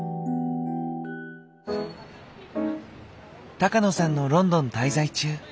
高野さんのロンドン滞在中。